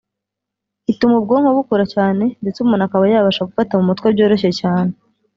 Ituma ubwonko bukura cyane ndetse umuntu akaba yabasha gufata mu mutwe byoroshye cyane